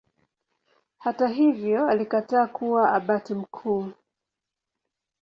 Hata hivyo alikataa kuwa Abati mkuu.